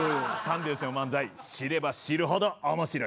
三拍子の漫才知れば知るほど面白い。